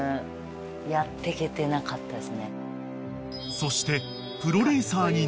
［そして］